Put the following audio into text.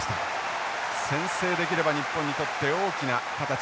先制できれば日本にとって大きな形。